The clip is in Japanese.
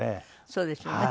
そうですよね。